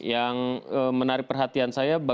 yang menarik perhatian saya